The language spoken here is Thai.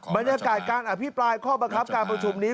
บรรยากาศการอภิปรายข้อบังคับการประชุมนี้